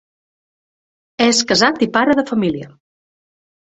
És casat i pare de família.